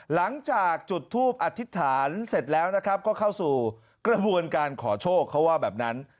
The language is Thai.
หลังจากจุดทูปอธิษฐานเสร็จแล้วนะครับก็เข้าสู่กระบวนการขอโชคเขาว่าแบบนั้น